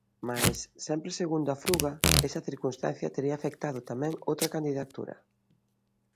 Mais, sempre segundo a Fruga, esa circunstancia tería afectado tamén outra candidatura.